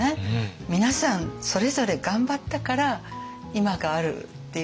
皆さんそれぞれ頑張ったから今があるっていうか国ができた。